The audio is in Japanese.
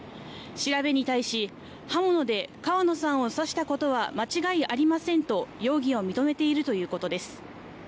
調べに対し、刃物で川野さんを刺したことは間違いありませんと容疑を認めているということです。